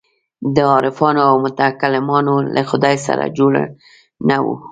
د عارفانو او متکلمانو له خدای سره جوړ نه وو.